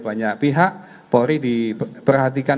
banyak pihak polri diperhatikan